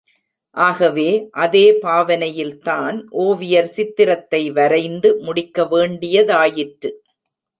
ஆகவே, அதே பாவனையில்தான் ஓவியர் சித்திரத்தை வரைந்து முடிக்க வேண்டியதாயிற்று.